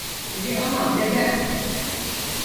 İyi ama neden?